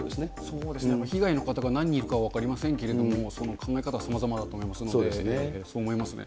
そうですね、被害の方が何人いるか分かりませんけれども、その考え方はさまざまだと思いますんで、そう思いますね。